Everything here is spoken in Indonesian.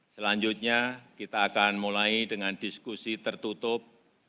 selanjutnya kita akan mulai dengan diskusi tertutup